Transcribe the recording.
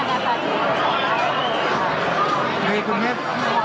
ขอบคุณครับขอบคุณครับ